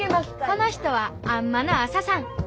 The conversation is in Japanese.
この人はあん摩のアサさん。